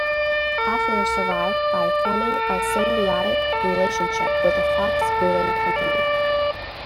Hafner survived by forming a symbiotic relationship with the Fox Brewing Company.